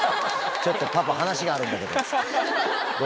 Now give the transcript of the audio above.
ちょっとパパ、話があるんだけど。